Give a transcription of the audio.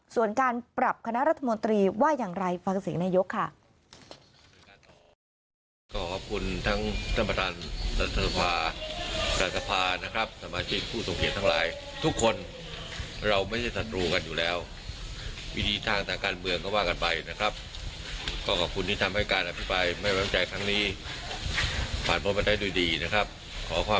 ส่วนการปรับคณะรัฐมนตรีว่าอย่างไรฟังเสียงนายกค่ะ